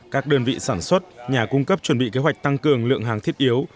các đơn vị sản xuất nhà cung cấp chuẩn bị kế hoạch tăng cường lượng hàng thiết yếu